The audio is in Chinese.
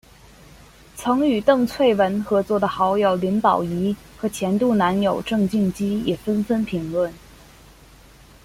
曾与邓萃雯合作的好友林保怡和前度男友郑敬基也纷纷评论。